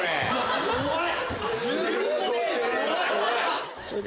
怖い！